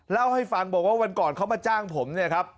เล่าให้ฟังบอกว่าวันก่อนเขามาจ้างผมเนี่ยครับ